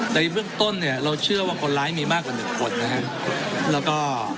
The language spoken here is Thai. ในเบื้องต้นเนี่ยเราเชื่อว่าคนร้ายมีมากกว่าหนึ่งคนนะฮะแล้วก็